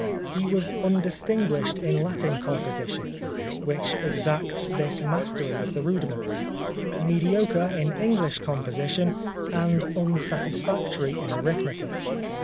He was undistinguished in Latin composition, which exacts this mastery of the rudiments, H 113 The Life of Oscar Wilde mediocre in English composition, and un satisfactory in arithmetic.